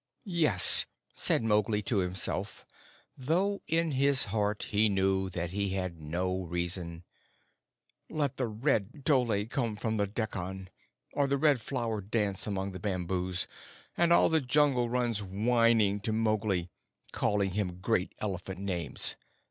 "Yes," said Mowgli to himself, though in his heart he knew that he had no reason. "Let the Red Dhole come from the Dekkan, or the Red Flower dance among the bamboos, and all the Jungle runs whining to Mowgli, calling him great elephant names.